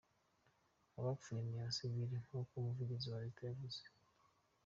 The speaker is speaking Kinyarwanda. Abapfuye ni abasivile, nkuko umuvugizi wa leta yavuze.